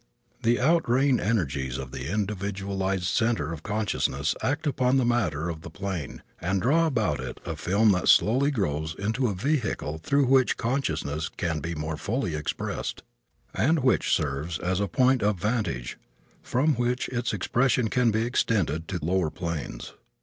The outraying energies of the individualized center of consciousness act upon the matter of the plane and draw about it a film that slowly grows into a vehicle through which consciousness can be more fully expressed, and which serves as a point of vantage from which its expression can be extended to lower planes.